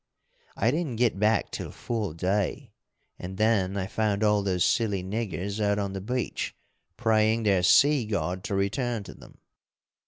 I didn't get back till full day, and then I found all those silly niggers out on the beach praying their sea god to return to them.